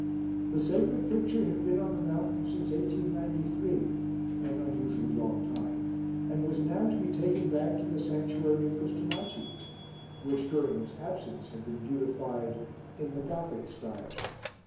The sacred picture had been on the mountain since 1893, an unusually long time, and was now to be taken back to the sanctuary at Custonaci, which, during its absence, had been beautified "in the Gothic style."